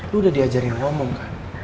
udah diajarin ngomong kan